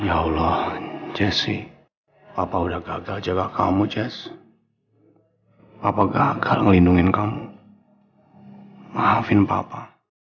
ya allah jesse apa udah gagal jaga kamu jas apa gagal melindungi kamu maafin papa